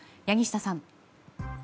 柳下さん。